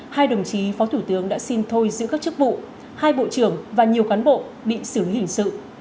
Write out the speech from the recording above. hai đồng chí phó thủ tướng đã xin thôi giữ các chức vụ hai bộ trưởng và nhiều cán bộ bị xử lý hình sự